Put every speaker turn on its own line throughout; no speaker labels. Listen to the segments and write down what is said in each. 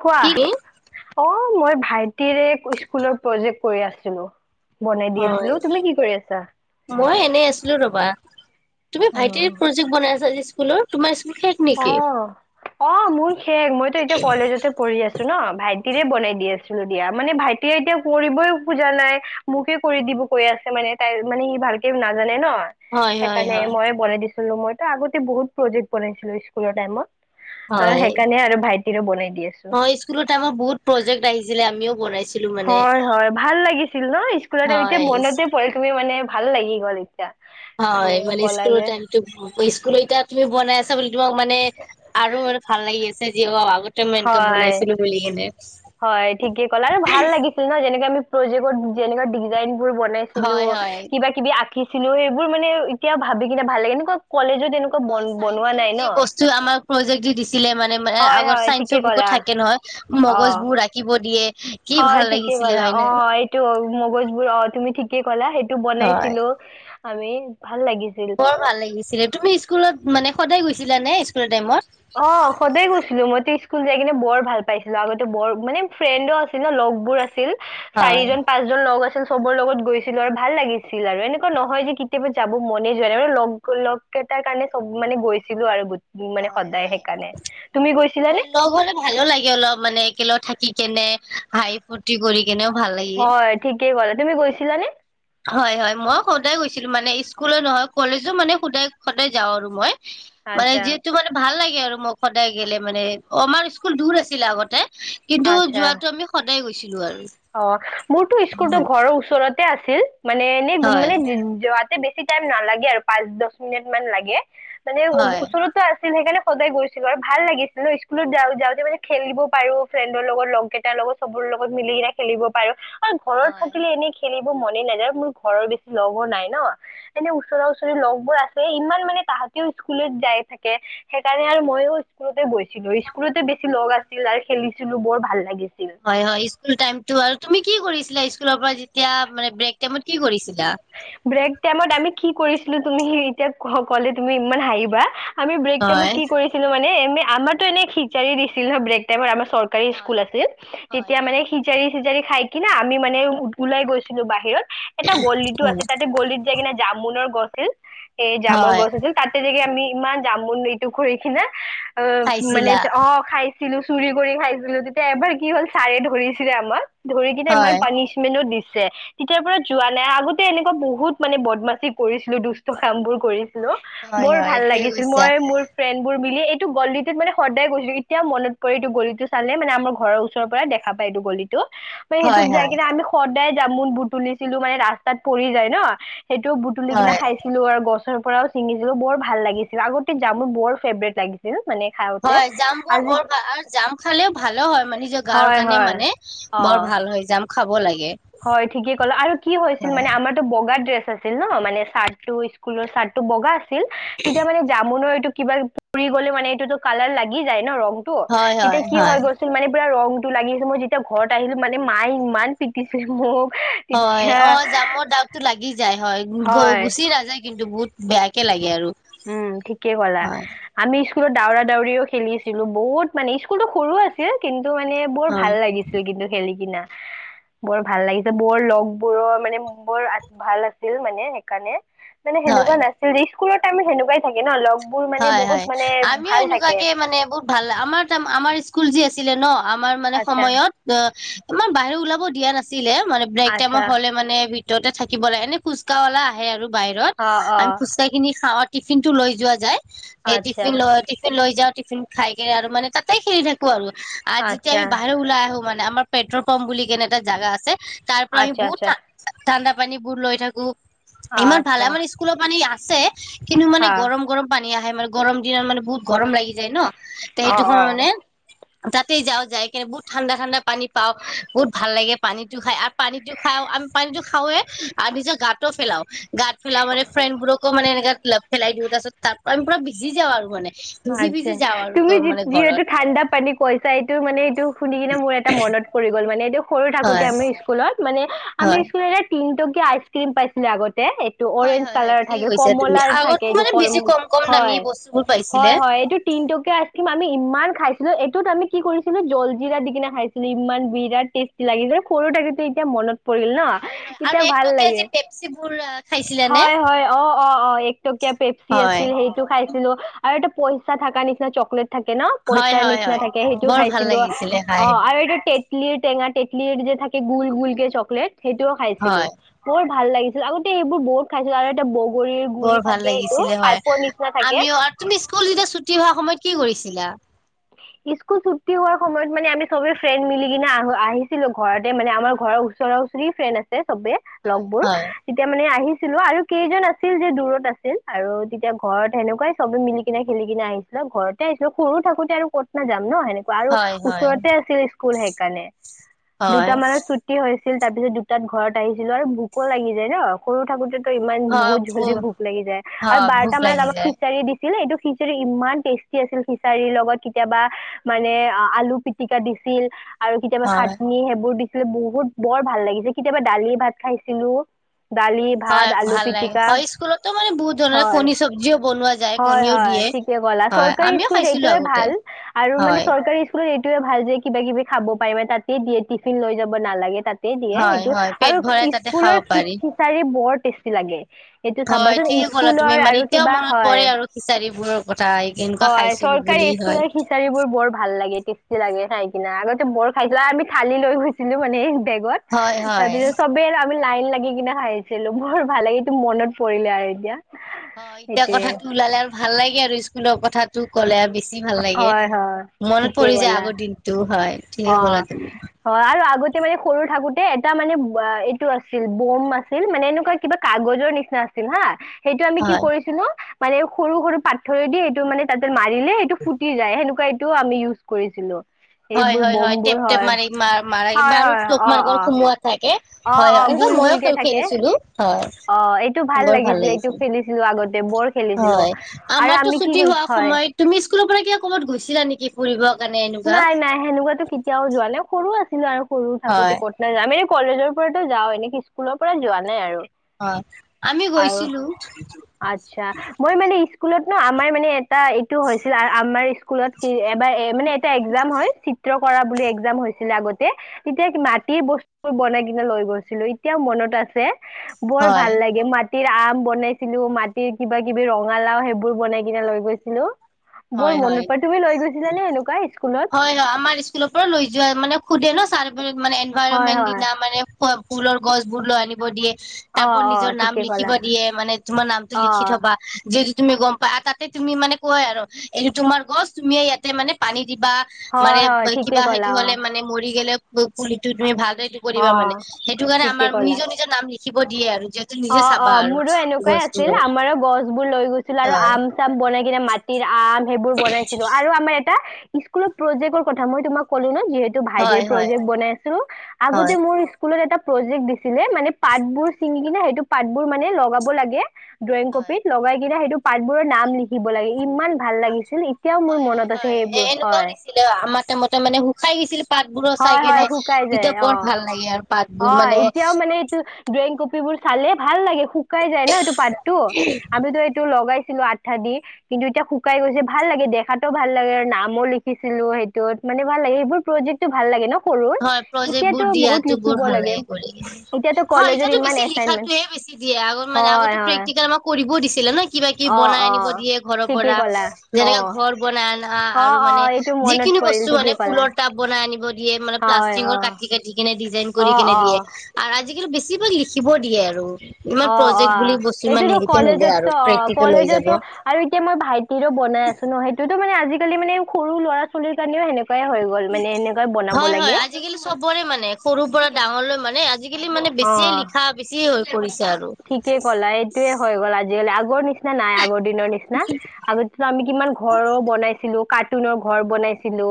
কোৱা।
কি
অ মই ভাইটিৰে স্কুলৰ প্ৰজেক্ট কৰি আছিলো। বনাই দি আছিলো
হয়।
তুমি কি কৰি আছা
মই এনে আছিলো ৰবা। তুমি ভাইটিৰ প্ৰজেক্ট বনাইছা যে স্কুলৰ তোমাৰ স্কুলে হে-
অ, অ' মোৰ শেষ, মইতো এতিয়া কলেজতে পঢ়ি আ- চো ন ভাইটিৰে বনাই দি আছিলো দিয়া মানে ভাইটিৰে এতিয়া কৰিবই খোজা নাই। মোকে কৰি দিব কৈ আছে মানে তাই মানে সি ভালকে নাজানে ন।
হয়
সেই
হয়
কাৰণে
হয়
মই বনাই দিছিলো মইতো আগতে বহুত প্ৰজেক্ট বনাইছিলো স্কুলৰ টাইমত। অ'
হয়
সেইকাৰণে আৰু ভাইটিৰো বনাই দি আছো।
হয় স্কুলৰ টাইমত বহুত প্ৰজেক্ট আহিছিলে আমিও বনাইছো।
হয়, হয়, ভাল লাগিছিল ন' স্কুলৰতে, এতিয়া
হয়
মনতে পৰে তুমি মানে ভাল লাগি গ'ল এতিয়া।
হয়
তুমিও
মানে
ক'লা
স্কুলৰ
যে
টাইম- টো স্কুল এতিয়া তুমি বনাই আছা বুলি তোমাক মানে, আৰু মানে ভাল লাগি আছে যি আগত- সেইটোৱে মেনকে
হয়
বনাইছিলো বুলি কেনে।
[unintelligible] যেনেকা আমি প্ৰজেক্টত যেনেকা ডিজাইনবোৰ বনাইছিলো।
হয় হয়
কিবা কিবি আঁকছিলো সেইবোৰ মানে এতিয়া ভাবি কিনে ভাল লাগে এনেকুৱা কলেজত তেনেকুৱা
হয়, চাইন্সৰ যি বস্তু আমাৰ প্ৰজেক্ট যি দিছিলে মানে
হয়
আগৰ
হয়
চাইঞ্জ
ঠিকে
[unintelligible] বুকত
ক'লা
থাকে নহয়,
অ
মগজ বোৰ আকিৱ ৰাখিব দিয়ে। কি
হয়
ভাল
ঠিকে
লাগিছিলে
কলা
হয় নে
অৱ' এই তু মগজ বোৰ অ তুমি ঠিকে ক'লা, সেইটো
হয়
বনাইছিলো, আমি ভাল লাগিছিল।
বৰ ভাল লাগিছিলে, তুমি স্কুলত মানে সদায় গৈছিলা নে স্কুলৰ টাইমত!
অৱ সদায় গৈছিলো মইতো স্কুল যাই কিনে বৰ ভাল পাইছিলো আগতে বৰ মানে ফ্ৰেণ্ডো আছিল ন লগবোৰ আছিল। ছিল
হয়
চাৰিজন পাঁচজন লগ আছিল চবৰ লগত গৈছিলো আৰু ভাল লাগিছিল আৰু এনেকুৱা নহয় যে কেতিয়াবা যাব মনে যোৱা নাই। আৰু লগ লগ কেইটাৰ কাৰণে চব মানে গৈছিলো আৰু গ মানে
হয়
সদায়
হয়
সেইকাৰণে, তুমি
হয়
গৈছিলানে?
লগ হলে ভালো লাগে অলপ মানে একেলগ থাকি কেনে হাঁহি ফূুৰ্তি কৰি কেনেও ভাল লাগে।
হয় ঠিকেই ক'লা, তুমি গৈছিলানে?
হয় হয় মই সদায় গৈছিলো মানে স্কুলো নহয় কলেজো মানে সদায় সদায় যাওঁ আৰু মই। মানে
আচ্ছা
যিহেতু মানে ভাল লাগে আৰু মোক সদায় গেলে মানে আমাৰ স্কুল দূৰ আছিলে আগতে। কিন্তু
আচ্ছা
যোৱাতটো আমি সদায় গৈছিলো আৰু।
অ মোৰতো স্কুলতো
হয়
ঘৰৰ ওচৰতে আছিল মানে এনে মানে যোৱাতে বেছি বেছি টাইম নালাগে আৰু পাঁচ দচ মিনিটত মান লাগে, মানে
হয়
ওচৰত আছিল সেইকাৰণে সদায় গৈছিলো আৰু ভাল লাগিছিলে স্কুলত যা যাওঁতে মানে খেলিব পাৰো ফ্ৰেণ্ডৰ লগত লগ কেইটাৰ লগত। চবৰ লগত মিলি কিনে খেলিব পাৰো আৰু ঘৰত
হয়
থাকিলে এনে খেলিব মনে নাযায় মোৰ ঘৰৰ বেছি লগো নাই ন। এনে ওচৰা ওচৰি লগবোৰ আছে ইমান মানে তাহাঁতিও স্কুলত যাই থাকে। সেইকাৰণে আৰু মইয়ো স্কুলতে গৈছিলো স্কুলতে বেছি লগ আছিল আৰু খেলিছিলো বৰ ভাল লাগিছিল।
হয় হয় স্কুল টাইমতটো আৰু তুমি কি কৰিছিলা স্কুলৰ পৰা যেতিয়া মানে ব্ৰেক টাইমত কি কৰিছিলা?
ব্ৰেক টাইমত আমি কি কৰিছিলো তুমি এতিয়া ক'লে তুমি ইমান হাঁহিবা। আমি ব্ৰেক টাইমত
হয়
কি কৰিছিলো মানে এম আমাৰতো এনে খিচাৰি দিছিল নয ব্ৰেক টাইমত আমাৰ চৰ কাৰী
হয়
স্কুল আছিল।
হয়
তেতিয়া মানে সি খিচাৰি চিজাৰি খাই কিনে আমি মানে ওলাই গৈছিলো বাহিৰত, এটা গলিটো
হয়
আছিল। ততে গলিত যায় কিনে জামুনৰ গছ আছিল। এই জামুনৰ
হয়
গছ আছিল। তাতে যোগে আমি ইমান যাম এইটো কৰি কিনে অ মানে
খাইছিলা
অ খাই ছিলো চুৰি কৰি খাইছিলো তেতিয়া এবাৰ কি হ'ল ছাৰে ধৰিছিলে আমাক। ধৰি কিনে ইমান
হয়
পানিচমেন্টো দিছে তেতিয়াৰ পৰা যোৱা নাই আগতে এনে বহুত মানে বদমাচি কৰিছিলো দুষ্ট কাম বোৰ কৰি
হয়
বৰ
হয়
ভাল
ঠিকে
লাগিছিল।
কৈছা
মই মোৰ ফ্ৰেণ্ডবোৰ মিলি এইটো গলিটোত মানে সদায় গৈছিলো। এতিয়া মনত পৰি এই গলিটো চালে মানে আমাৰ ঘৰৰ। ওচৰৰ পৰা দেখা পায় এইটো গলিটো।
হয়
সেইটোত যাই
হয়
কিনে আমি সদায় জামুন বুটুলিছিলো মানে ৰাস্তাত পৰি যায় ন। সেইটো তুলি কিনে
হয়
খাইছিলো আৰু গছৰ পৰাও ছিঙিছিলো বৰ ভাল লাগিছিল আগতে যাম মোৰ বৰ ফেব্ৰেট লাগিছিল। মানে খাওঁতে
হয় জাম বোৰ
আজি
বৰ ভাল আৰু জাম খালেও ভালো হয় মানে নিজৰ গাৰ
হয়
কাৰণে
হয়
মানে। বৰ
অ
ভাল হয়, জাম খাব লাগে।
হয় ঠিকে ক'লা আৰু কি হৈছিল
হয়
মানে আমাৰতো বগা ড্ৰেছ আছিল ন মানে চাৰ্ট টো। স্কুলৰ চাৰ্টো বগা আছিল তেতিয়া মানে জামুনৰ এইটো কিবা ফৰি গ'লে মানে এইটোতো কালাৰ লাগি যায় ন ৰংটো তেতিয়া কি হয় গৈ মানে পুৰা ৰং -টো লাগি আছে মই যেতিয়া ঘৰত আহিলো মানে মায়ে ইমান পিটিছিল মোক।
হয়
তেতিয়া
অ' জামৰ দাগটো লাগি যায় হয়,
হয়
গুচি নাযায় কিন্তু বহুত বেয়াকে লাগে আৰু
উম ঠিকে ক'লা।
হয়
আমি স্কুলত দৌৰা -দৌৰিও খেলিছিলো বহুত মানে স্কুলতো সৰু আছ কিন্তু মানে বৰ ভাল
হয়
লাগিছিল কিন্তু খেলি কিনা। বৰ ভাল লাগিছে বৰ লগ বোৰৰ মানে বৰ ভাল আছিল মানে সেইকাৰণে। মানে সেনেকুৱা
হয়
নাছিল স্কুলৰ টাইমত সেনেকুৱাই থাকে ন লগবোৰ মানে
হয় হয়
বহুত মানে
আমিও
ভাল থাকে।
এনেকুৱাকে মানে বহুত ভাল আমাৰ আমাৰ স্কুল যি আছিলে ন আমাৰ মানে
আচ্ছা
সময়ত অ', আমাৰ বাহিৰ ওলাব দিয়া নাছিলে মানে ব্ৰেক টাইমৰ
আচ্ছা
হ'লে মানে। ভিতৰতে থাকিব লাগে এনে ফুচকাৱালা আহে আৰু বাহিৰত
অ অ
আমি ফুচকা খিনি খাওঁ টিফিন টো লৈ যোৱা যায়। সেই
আচ্ছা
টিফিন লৈ, টিফিন লৈ যাওঁ টিফিন খাই কেনে আৰু মানে তাতে খেলি থাকো আৰু। আৰু যেতিয়া
আচ্ছা
আমি বাহিৰ ওলাই আহো মানে আমাৰ পেট্ৰলপাম্প বুলি কেনে এটা জাগা আছে তাৰ পৰা আমি
আচ্ছা
বহুত
আচ্ছা আচ্ছা
ঠাণ্ডা পানী বোৰ লৈ থাকো ইমান ভাল
আচ্ছা
আমাৰ স্কুলৰ পানী আছে। কিন্তু মানে
হা
গৰম, গৰম পানী আহে, মানে গৰম দিনত মানে বহুত গৰম লাগি যায় ন।
অ
সেইটো কাৰণে
অ
তাতে যাওঁ যাই কিনে বহুত ঠাণ্ডা ঠাণ্ডা পানী পাওঁ বহুত ভাল লাগে পানীটো খাই। পানীটো খাওঁ আমি পানীটো খাওঁৱে আৰু নিজৰ গাটো পেলাও। গাত পেলা মানে ফ্ৰেণ্ডোৰকো মানে এনেকা লগ পেলাই দিওঁ ত পাছত তাৰ পৰা আমি পৰা ভিজি যাওঁ আৰু মানে। ভিজি
আচ্ছা,
ভিজি যাওঁ আৰু
তুমি
মানে
যিহেতু
ঘৰত
ঠাণ্ডা পানীত। কৈছাএইটো মানে এইটো শুনি কিনে মোৰ এটা মনত পৰি গ'ল মানে এইটো সৰু থাকোতে
হয়
আমি স্কুলত মানে। আমি
হয়
স্কুল তিনটকীয়া আইচ ক্ৰীম পাইছিলো আগতে। এইটো
হয়
অৰেঞ্জ
হয় হয়
কালাৰ
ঠিক
থাকে,
কৈছা তুমি
কমলাৰ
আগতো
থাকে এইটো
মানে
কল
বেছি কম কম
হয়।
[unintelligible]
হয়, হয় এইটো। তিনিটকীয়া আইচক্ৰীম আমি ইমান খাইছিলো এইটোত আমি কি কৰিছিলো জলজিৰা দি কিনে খাইছিলো ইমান বিৰাট টেষ্ট। লাগিছিল সৰুতে কিন্তু এতিয়া মনত পৰিল।
হয় হয় আৰু
এতিয়া
এক
ভাল
টকীয়া
লাগে
যি পেপচিবোৰ খাইছিলে নে?
অ', অ', অ'। পেপচি
হয়
আছিল সেইটো খাইছিলো আৰু এটা পইচা থাক নিচিনা চক্লেট্। থাকে ন
হয়
পইচাৰ
হয়
নিচিনা
হয়
থাকে সেইটো
বৰ ভাল
খাইছিলো
লাগিছিলে খাই
অ' আৰু
সেইবোৰ
তে টেটলি টেঙা তেতলি যে থাকে গুল গুল কে চকলেট সেইটোও খাইছিলোঁ।
হয়
বৰ ভাল লাগিছিল আগতে সেইবোৰ বহুত খাইছিলোঁ আৰু এটা ব বগৰিৰ
বৰ
গুৰি
ভাল
থাকে এইটো
লাগিছিলে হয়
পাইপৰ নিচিনা থাকে।
আমিও আৰু তুমি স্কুল যেতিয়া ছুটি হোৱা সময়ত কি কৰিছিলা?
স্কুল ছুটি হোৱাৰ সময়ত মানে আমি সবে ফ্ৰেণ্ড মিলি কিনে আহ আহিছিলোঁ ঘৰতে মানে আমাৰ ঘৰৰ ওচৰৰ ফ্ৰী ফ্ৰেন্ড আছে চবে,
হয়
লগবোৰ।
হয়
তেতিয়া মানে আহিছিলো আৰু কেইজন আছিল যে দূৰত আছিল আৰু তেতিয়া ঘৰত সেনেকুৱাই সবে মিলিকিনে, খেলিকিনে আহিছিলো ঘৰতে আহিছো সৰু থাকো তাতে আৰু ক'ত না যাম ন' সেনেকুৱা আৰু
হয় হয়
ওচৰতে আছিল স্কুল সেইকাৰণে,
হয়
দুটামানত ছুট ছুটি হৈছিল তাৰ পিছত দুটাত ঘৰত আহিছিলো আৰু ভোকো লাগি যায় ন সৰু থাকোতে ইমান বহুত জল্দি ভোক লাগি যায় আৰু
হয় ভোক
বাৰটা মানত
লাগি
আমাক
যায়
খিচাৰি দি আছিল এইটো খিচাৰী ইমান টেষ্টি আছিল খিচাৰীৰ লগত। কেতিয়াবা মানে আ আলু পিতিকা দিছিল আৰু কেতিয়াবা
হয়
চাটনি সেইবোৰ দি ছিল বহুত বৰ ভাল লাগিছে, কেতিয়াবা দালি ভাত খাইছিলোঁ। ডালি -ভাত,
হয়
আলু
ভাল লাগে
পিটিকা,
হয় স্কুলতো মানে বহুত ধৰণৰ
হয়,
কণী চব্জিও বনোৱা যায়
হয়,
কণীও
হয়
দিয়ে
ঠিক। তে কলা।
হয়
চৰকাৰী
আমিও
ইস্কুল
খাইছিলো
এইটোয়ে
আগতে
ভাল, আৰু মানে
হয়
চৰকাৰী [unintelligible] এইটোৱে ভাল যে কিবা-কিবি খাব পাৰিবা, তাতে দিয়ে টিফিন লৈ যাব নালাগে তাত। তে দিয়ে
হয়
সেইটো,
হয় পেট
আৰু
ভৰাই তাতে খাব
ইস্কুলৰ
পাৰি
খিচাৰি বৰ টেষ্টি লাগে। সেইটো
হয়
চাবাচোন,
ঠিকে ক'লা তুমি
ইস্কুলৰ
মানে
আৰু
এতিয়াও
কিবা
মনত
হয়,
পৰে আৰু খিচাৰিবোৰৰ কথা কেনেকুৱা
হয়।
খাইছিলো
চৰকাৰী
বুলি হয়।
ইস্কুলৰ খিচাৰী বোৰ বৰ ভাল লাগে, টেষ্টি লাগে খাই কিনা। আগতে বৰ খাইছিলোঁ আৰু আমি থালি লৈ গৈছিলো মানে বেগত।
হয় হয়
তাৰপিছত চবে লা আমি লাইন লাগি কিনে খাইছিলোঁ। বৰ ভাল লাগেটো মনত পৰিলে আৰু এতিয়া।
অ', এতিয়া
সেইটোয়ে,
কথাটো ওলালে আৰু ভাল লাগে আৰু ইস্কুলৰ কথাত টো ক'লে বেছি ভাল লাগে,
হয়, হয়,
মনত
ঠিকে
পৰি যায়
ক'লা।
আগৰ দিনটো। হয়।
অ।
ঠিকে ক'লা তুমি
হয় আৰু আগতে মানে সৰু থাকোঁতে এটা মানে বা এইটো আছিল বম আছিল মানে এনেকুৱা কিবা কাগজৰ নিচনা আছিল হা। সেইটো আমি কি
হয়।
কৰিছিলোঁ, মানে সৰু-সৰু পাতথৰেদি এইটো মানে তাতে মাৰিলে সেইটো ফুটি যায়, সেনেকুৱা এইটো আমি ইউজ কৰিছিলোঁ।
হয়, হয়। হয়। টেপ-টেপ মাৰি মা মাৰে
হয়
[unintelligible]
হয় অ অ
সোমোৱা থাকে।
অ
হয়।
অ
এনেকুৱা
গোল
মইও
গোলকে
খে
থাকে
খেলিছিলোঁ, হয়।
অ এইটো
বৰ ভাল
লাগিছিলে এইটো
লাগিছিল।
খেলিছিলো আগতে বৰ খেলিছিলো
হয়,
আৰু
আমাৰটো
আমি কি
ছুটি
কৰি-
হোৱা
হয়
সময়ত তুমি স্কুলৰ পৰা কিবা ক'বাত গৈছিলা নেকি? ফুৰিব কাৰণে এনেকুৱা।
নাই নাই সেনেকুৱাতো কেতিয়াও যোৱা নাই। সৰু আছিলোঁ আৰু সৰু থাকোঁতে
হয়।
ক'ত নাযাওঁ। আমি এই কলেজৰ পৰাটো যাওঁ এনে ইস্কুলৰ পৰা যোৱা নাই আৰু।
হয় আমি
আউ,
গৈছিলো
আচ্ছা। মই মানে স্কুলত ন', আমাৰ মানে এটা এইটো হৈছিল আ আমাৰ স্কুলত কি এবাৰ এ মানে এটা এক্সাম হয়। য কৰা বুলি এক্সাম হৈছিলে আগতে। তেতিয়া মাটিৰ বস্তুৰ বনাই কিনে লৈ গৈছলোঁ, এতিয়াও মনত আছে। বৰ
হয়
ভাল লাগে মাট টিৰ আম বনাইছিলোঁ, মাটিৰ কিবা-কিবি ৰঙালাও সেইবোৰ বনাই কিনে লৈ গৈছিলোঁ।
হয়
বৰ
হয়
মনত পাই। তুমি লৈ গৈছিলা নে এনেকুৱা ইস্কুলত?
হয়। আমাৰ স্কুলৰ পৰা লৈ যোৱা মানে সোধে ন', ছাৰ মানে
হয়
এনভাইৰনমেন্ট
হয়
দিনা মানে ফ, ফুলৰ গছবোৰ লৈ আনিব দিয়ে।
অ
তাপোৰ
অ
নিজৰ নাম
ঠিকে ক'লা
লিখিব দিয়ে, মানে তোমাৰ নামটো
অ
লিখি থ'বা। যিহেতু তুমি গম পা। তাতে তুমি মানে কয় আৰু এইটো তোমাৰ গছ, তুমিয়ে ইয়াতে মানে পানী দিবা।
হয়
মানে
হয় ঠিকে
কিবা হেৰি
ক'লা
হ'লে মানে মৰি গেলে পুলিটো তুমি ভালদৰে
অ অ
কৰিবা মানে, সেইটো কাৰণে
ঠিকে
আমাৰ
ক'লা
নিজৰ নিজৰ নাম লিখিব দিয়ে আৰু। নিজে
অ',
চাবা
অ'।
আৰু
মোৰো এনেকুৱাই আছিল।
গছবোৰৰ
আমাৰো গছবোৰ লৈ গৈছিল আৰু
হয়
আম টাব বনাই কিনে মাটিৰ আম সেইবোৰ বনাইছিলোঁ আৰু আমাৰ এটা ইস্কুলৰ প্ৰজেক্টৰ কথা মই তোমাক ক'লো ন', যিহেতু ভাইটিৰ
হয় হয়
প্ৰজেক্ট বনাই আছো।
হয়
আগতে মোৰ স্কুলত এটা প্ৰজেক্ট দিছিলে মানে পাতবোৰ ছিঙি কিনে সেইটো পাতবোৰ মানে লগাব লাগে। ড্ৰয়িং
হয়।
কপিত লগাই কিনে সেইটো পাতবোৰৰ নাম লিখিব লাগে, ইমান ভাল লাগি ছিল, এতিয়াও মোৰ মনত আছে সেইবোৰ হয়।
ছিলে আমাৰ তামততে মানে শুকাই গেছিল। পাতবোৰো
হয়
চাই
হয়
কেনে,
শুকাই যায়
ইটা বৰ ভাল লাগে আৰু পাতবোৰ মানে
নেইটো ড্ৰয়িং কপিবোৰ চালে, ভাল লাগে শুকাই যায় ন', এইটো পাতটো। আমিতো এইটো লগাইছিলোঁ আত ঠাদি। কিন্তু এতিয়া শুকাই গৈছে, ভাল লাগে দেখাতো ভাল লাগে আৰু নামো লিখিছিলোঁ সেইটোত মানে ভাল লাগে। সেইবোৰ প্ৰজেক্ট টো ভাল লাগে ন সৰুৰ
হয় প্ৰজেক্ট বোৰ
এতিয়াতো বহুত
দিয়াতো বৰ
লিখিব
ভাল লাগে কৰি।
এতিয়াতো
হয়
কলেজৰ
এতিয়াটো
ইমান
বেছি
এচাইনমেন্ট
লিখাটোহে বেছি দিয়ে আগ মানে
হয়
আগতো
হয়
প্ৰেক্টিকেল আমাক কৰিবও দিছিলে ন কিবা কিব
অ
বনাই
অ
আনিব দিয়ে ঘৰৰ
ঠিকেই
পৰা
ক'লা অ
যেনেকাে ঘৰ বনাই আনা
অ
আৰু
অ
মানে
এইটো মনত
যিখিনি
পৰিল
বস্তু মানে
ঠিকেই ক'লা
ফুলৰ তাপ বনাই আনিব দিয়ে মানে
হয় অ
প্লাষ্টিকৰ কাটি কাটি কিনে ডিজাইন কৰি কিনে
অ
দিয়ে
অ
আৰু আজিকালি বেছিভাগ লিখিব দিয়ে আৰু ইমান
অ অ
প্ৰজেক্ট বুলি বস্তু ইমান
এইটোতো
হেৰিকে নিদিয়ে আৰু
কলেজততো অ
প্ৰেক্টিকেল হৈ যাব
কলেজতো আৰু এতিয়া মই ভাইটিৰো বনাই আছো ন সেইটোতো মানে আজিকালি মানে সৰু ল'ৰা- ছোৱালীৰ কাৰণেও সেনেকুৱাই হৈ গ গ'ল মানে এনেকাই বনাব
হয় হয়
লাগে।
আজিকালি চবৰে মানে সৰুৰ পৰা ডাঙৰলৈ মানে আজিকালি মানে
অ
বেছিয়ে লিখা, বেছি হৈ পৰিছে আৰু
ঠিকে ক'লা এইটোয়ে হৈ গ'ল আজিকালি আগৰ নিচিনা নাই আগৰ দিনৰ নিচিনা আগতেটো আমি কিমান ঘ'ৰ বনাইছিলো কাৰ্টুনৰ ঘৰ বনাইছিলো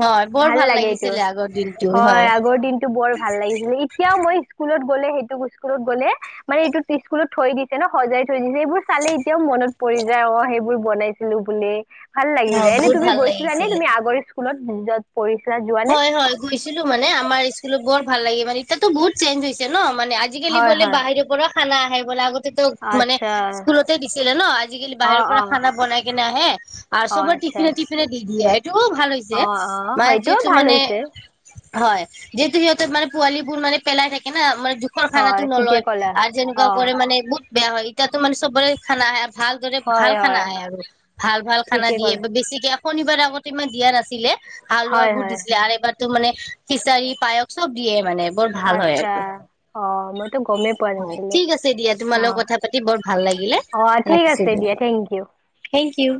হয় বৰ
ভাল লাগে এইটো
লাগিছিলে আগৰ দিনটো
হয় আগৰ দিনটো বৰ ভাল লাগিছিলে এই তিয়াও মই স্কুলত গ'লে সেইটো স্কুলত গ'লে মানে এইটো স্কুলত থৈ দিছে ন সজাই থৈ দিছে, সেইবোৰ চালে এতিয়াও মনত পৰি যায় অ সেইবোৰ বনাই ছিলোঁ বুলি ভাল লাগি
অ',
যায়। এনে
বহুত
তুমি
ভাল
গৈছিলা নে
লাগিছিলে।
তুমি আগৰ স্কুলত য'ত পঢ়িছিলা যোৱা নে
হয় হয় গৈছিলো মানে আমাৰ স্কুলত বৰ ভাল লাগে। মানে এতিয়াতো বহুত চেঞ্জ হৈছে ন মানে আজ আজিকালি
হয়
বোলে
হয়
বাহিৰ পৰা খানা আহে বোলে আগতে তো মানে
আচ্ছা
স্কুলতে দিছিলে ন আজিকালি
অ
বাহিৰৰ
অ
পৰা খানা বনাই কেনে আহে। আৰু
অ
চবৰ
আচ্ছা
টিফিনে টফিনে দি দিয়ে এইটো ভাল হৈ
অ অ সেইটো ভাল হৈছে।
হয় যিহেতু সিহঁতৰ মানে পোৱালী বোৰ মানে পেলাই থাকে ন মানে জো ৰ খানাটো
হয় ঠিকে
নলয়
ক'লা
আৰু
অ
যেনেকুৱা কৰে মানে বহুত বেয়া হয় এতিয়াতো মানে চবৰে খানা আহে। ভালদৰে ভাল
হয়
খানা
হয়
আহে আৰু ভাল ভাল খানা
ঠিকে
দিয়ে
ক'ল
বা বেছিকে শনিবাৰে আগতে ইমান দিয়া নাছিলে হালোৱা,
হয় হয়
আৰু এবাৰতো মানে খিচাৰী, পায়স চব দিয়ে মানে। বৰ ভাল হয়
আচ্ছা
আৰু,
অ মইতো গমেই পোৱা
হয়
নাছিলো
ঠিক আছে দিয়া তোমাৰ
অ
লগত কথা পাতি বৰ ভাল লাগিলে।
অ ঠিক আছে দিয়া থেং ইউ।
Thank U.